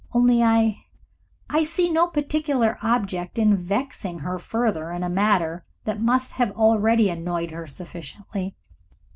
"Only I I see no particular object in vexing her further in a matter that must have already annoyed her sufficiently.